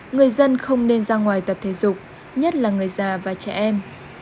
người dân không nên ra ngoài tập thể dục nhất là người già và trẻ em